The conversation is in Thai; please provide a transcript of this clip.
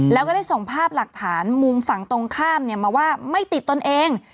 แล้วก็ได้ส่งภาพหลักฐานมุมฝั่งตรงข้ามมาว่าไม่ติดตนเอง